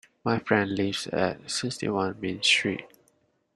My friend lives at sixty-one Main Street